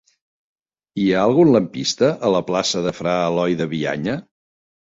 Hi ha algun lampista a la plaça de Fra Eloi de Bianya?